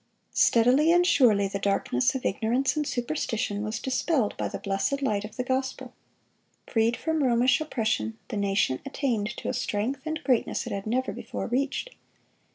Steadily and surely the darkness of ignorance and superstition was dispelled by the blessed light of the gospel. Freed from Romish oppression, the nation attained to a strength and greatness it had never before reached.